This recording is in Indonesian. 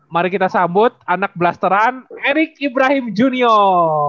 mari kita sambut anak blasteran erick ibrahim junior